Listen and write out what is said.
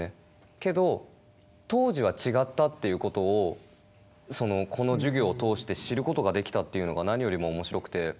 けど当時は違ったっていう事をこの授業を通して知る事ができたというのが何よりも面白くて。